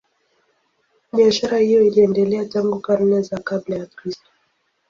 Biashara hiyo iliendelea tangu karne za kabla ya Kristo.